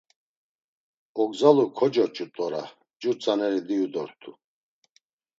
Ogzalu kocoç̌u t̆ora cu tzaneri diyu dort̆u.